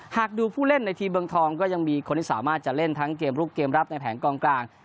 หากดูผู้เล่นในทีมเมืองทองก็ยังมีคนที่สามารถจะเล่นทั้งเกมลุกเกมรับในแผงกองกลาง